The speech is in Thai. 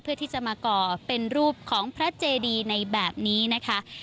เพื่อที่จะมาก่อเป็นรูปของพระเจดีในแบบนี้นะคะ